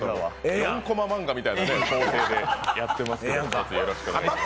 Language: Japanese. ４コマ漫画みたいな構成でやってますけど。